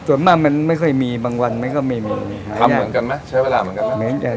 ส่วนมากมันไม่ค่อยมีบางวันมันก็ไม่มีทำเหมือนกันไหมใช้เวลาเหมือนกันไหม